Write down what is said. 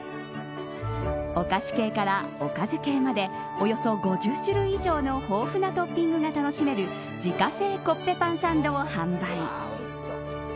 お菓子系から、おかず系までおよそ５０種類以上の豊富なトッピングが楽しめる自家製コッペパンサンドを販売。